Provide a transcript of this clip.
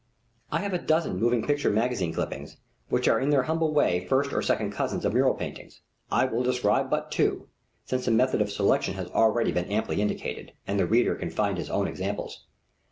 I have a dozen moving picture magazine clippings, which are in their humble way first or second cousins of mural paintings. I will describe but two, since the method of selection has already been amply indicated, and the reader can find his own examples.